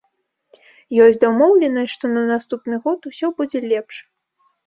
Ёсць дамоўленасць, што на наступны год усё будзе лепш.